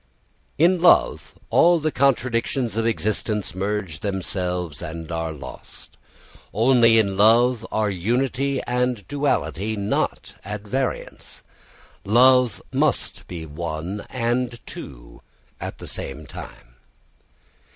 In love all the contradictions of existence merge themselves and are lost. Only in love are unity and duality not at variance. Love must be one and two at the same time.